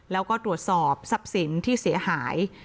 แล้วก็ตรวจสอบทรัพย์สินที่เสียหาย